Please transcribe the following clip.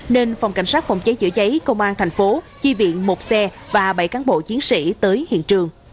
nên phòng cảnh sát phòng cháy chữa cháy công an thành phố chi viện một xe và bảy cán bộ chiến sĩ tới hiện trường